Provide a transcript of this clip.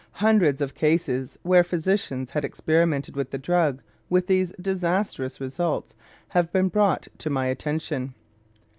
Hundreds of cases where physicians had experimented with the drug with these disastrous results have been brought to my attention.